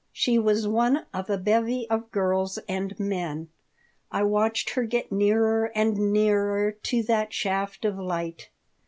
She was one of a bevy of girls and men. I watched her get nearer and nearer to that shaft of light.